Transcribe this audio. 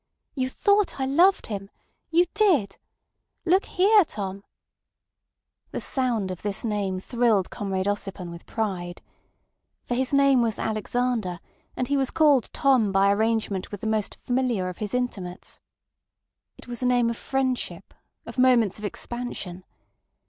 You thought I loved him! You did! Look here, Tom—" The sound of this name thrilled Comrade Ossipon with pride. For his name was Alexander, and he was called Tom by arrangement with the most familiar of his intimates. It was a name of friendship—of moments of expansion.